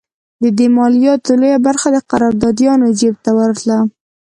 د دې مالیاتو لویه برخه د قراردادیانو جېب ته ورتله.